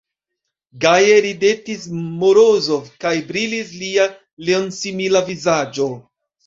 Gaje ridetis Morozov, kaj brilis lia leonsimila vizaĝo.